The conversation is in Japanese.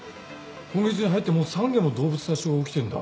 今月に入ってもう３件も動物殺傷起きてるんだ。